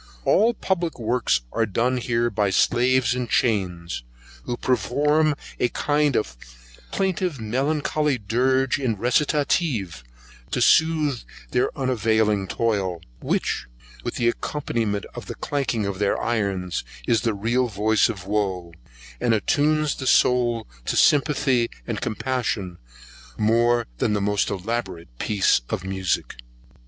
All public works are done here by slaves in chains, who perform a kind of plaintive melancholy dirge in recitative, to sooth their unavailing toil, which, with the accompanyment of the clanking of their irons, is the real voice of wo, and attunes the soul to sympathy and compassion, more than the most elaborate piece of music.